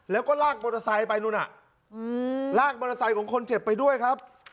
แล้วก็ลากบริษัทไปนู่นอืมลากบริษัทของคนเจ็บไปด้วยครับ